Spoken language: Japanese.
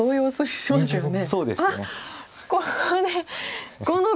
そうですね。